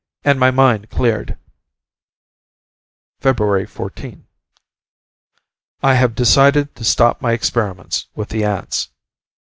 and my mind cleared. Feb. 14. I have decided to stop my experiments with the ants.